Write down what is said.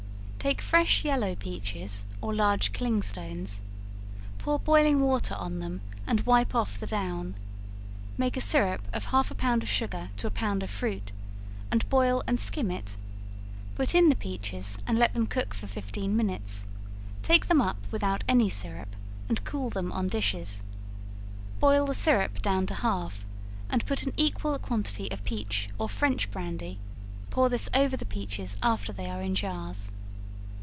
Take fresh yellow peaches, or large clingstones, pour boiling water on them, and wipe off the down; make a syrup of half a pound of sugar to a pound of fruit, and boil and skim it; put in the peaches, and let them cook for fifteen minutes; take them up without any syrup, and cool them on dishes; boil the syrup down to half, and put an equal quantity of peach or French brandy, pour this over the peaches after they are in jars.